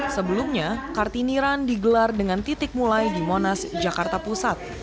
sebelumnya kartini run digelar dengan titik mulai di monas jakarta pusat